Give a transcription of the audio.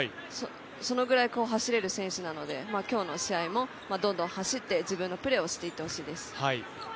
そのぐらい走れる選手なので、今日の試合もどんどん走って、自分のプレーをしていってほしいです。